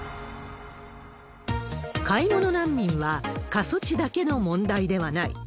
買い物難民は、過疎地だけの問題ではない。